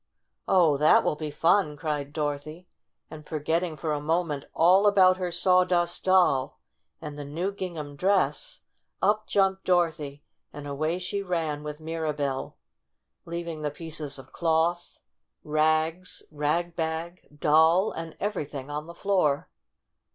"Oh, that will be fun!" cried Dorothy, and, forgetting for a moment all about her Sawdust Doll and the new gingham dress, up jumped Dorothy and away she ran with Mirabell, leaving the pieces of cloth, rags, 86 STORY OF A SAWDUST DOLL rag bag, Doll and everything on the floor.